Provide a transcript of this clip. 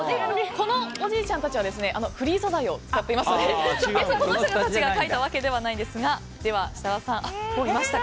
このおじいちゃんたちはフリー素材を使っていますのでこの人たちが書いたわけではないですが。